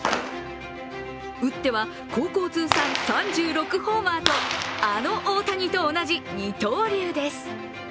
打っては高校通算３６ホーマーとあの大谷と同じ二刀流です。